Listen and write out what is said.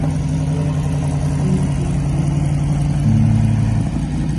Regresaron a Alemania con el objetivo de aprender a pilotear.